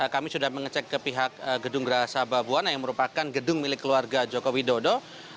kami sudah mengecek ke pihak gedung geraha sababwana yang merupakan gedung milik keluarga joko widodo